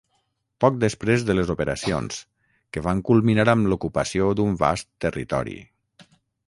Poc després de les operacions, que van culminar amb l'ocupació d'un vast territori.